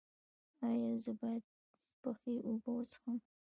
ایا زه باید یخې اوبه وڅښم؟